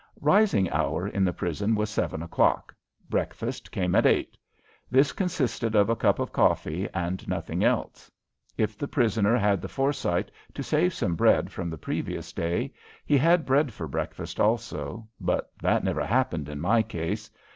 Rising hour in the prison was seven o'clock. Breakfast came at eight. This consisted of a cup of coffee and nothing else. If the prisoner had the foresight to save some bread from the previous day, he had bread for breakfast also, but that never happened in my case.